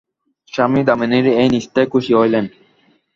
স্বামী দামিনীর এই নিষ্ঠায় খুশি হইলেন।